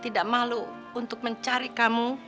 tidak malu untuk mencari kamu